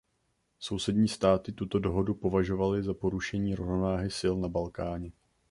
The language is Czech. Sousední státy tuto dohodu považovali za porušení rovnováhy sil na Balkáně.